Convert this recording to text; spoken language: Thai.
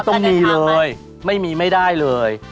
ต้องมีเลยไม่มีไม่ได้เลย